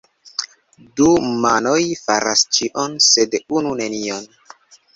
Du manoj faras ĉion, sed unu nenion.